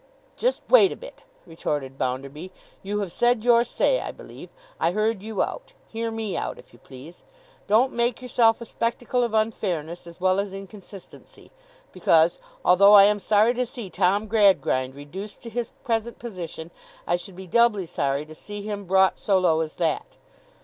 'Just wait a bit,' retorted Bounderby; 'you have said your say, I believe. I heard you out; hear me out, if you please. Don't make yourself a spectacle of unfairness as well as inconsistency, because, although I am sorry to see Tom Gradgrind reduced to his present position, I should be doubly sorry to see him brought so low as that.